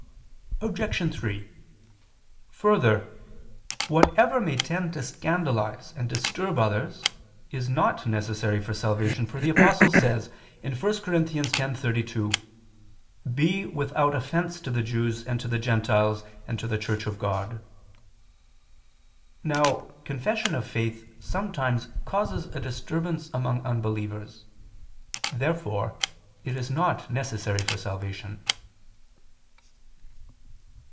Obj. 3: Further, whatever may tend to scandalize and disturb others, is not necessary for salvation, for the Apostle says (1 Cor. 10:32): "Be without offense to the Jews and to the gentiles and to the Church of God." Now confession of faith sometimes causes a disturbance among unbelievers. Therefore it is not necessary for salvation.